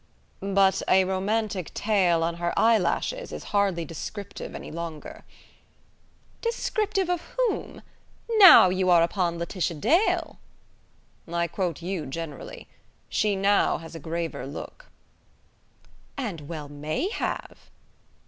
"But 'a romantic tale on her eyelashes' is hardly descriptive any longer." "Descriptive of whom? Now you are upon Laetitia Dale!" "I quote you generally. She has now a graver look." "And well may have!"